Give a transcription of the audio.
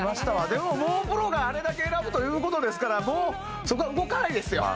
でももうプロがあれだけ選ぶという事ですからもうそこは動かないですよ。